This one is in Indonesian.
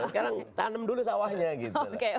sekarang tanam dulu sawahnya gitu